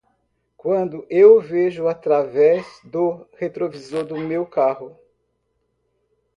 Quando eu vejo através do retrovisor do meu carro.